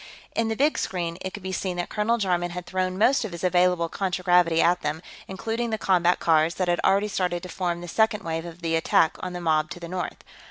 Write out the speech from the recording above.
In the big screen, it could be seen that Colonel Jarman had thrown most of his available contragravity at them, including the combat cars, that had already started to form the second wave of the attack on the mob to the north.